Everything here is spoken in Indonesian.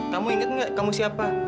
kamu inget nggak kamu siapa